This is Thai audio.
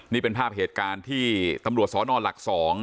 นี่เป็นภาพเหตุการณ์ที่ตำรวจสนหลัก๒